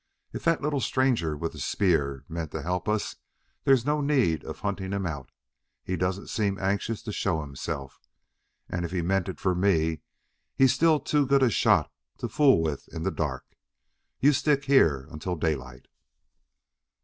If that little stranger with the spear meant to help us there's no need of hunting him out; he doesn't seem anxious to show himself. And if he meant it for me, he's still too good a shot to fool with in the dark. You stick here until daylight."